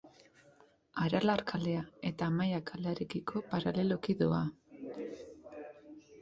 Aralar kalea eta Amaia kalearekiko paraleloki doa.